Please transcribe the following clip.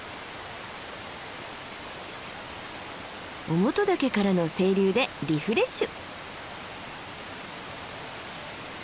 於茂登岳からの清流でリフレッシュ。